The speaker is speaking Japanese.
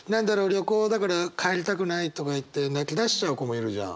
旅行だから帰りたくないとか言って泣きだしちゃう子もいるじゃん。